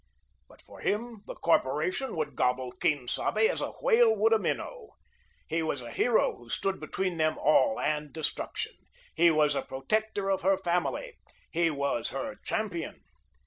But for him the corporation would gobble Quien Sabe, as a whale would a minnow. He was a hero who stood between them all and destruction. He was a protector of her family. He was her champion.